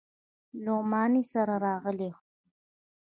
لغمانی سره راغلی یم.